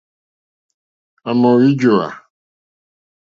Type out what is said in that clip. À mò wíjówá.